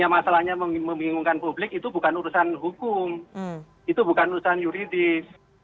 kalau kita hanya membingungkan publik itu bukan urusan hukum itu bukan urusan yuridis